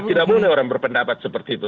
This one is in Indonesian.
tidak boleh orang berpendapat seperti itu